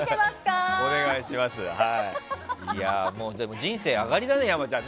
人生上がりだね、山ちゃん。